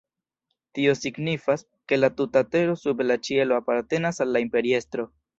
Tio signifas, ke la tuta tero sub la ĉielo apartenas al la imperiestro.